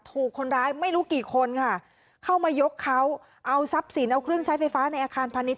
ถูกคนร้ายไม่รู้กี่คนค่ะเข้ามายกเขาเอาทรัพย์สินเอาเครื่องใช้ไฟฟ้าในอาคารพาณิช